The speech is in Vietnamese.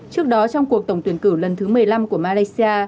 trước đó trong cuộc tổng tuyển cử lần thứ một mươi năm của malaysia